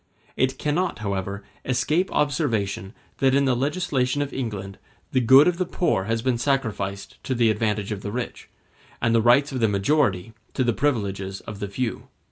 It cannot, however, escape observation that in the legislation of England the good of the poor has been sacrificed to the advantage of the rich, and the rights of the majority to the privileges of the few.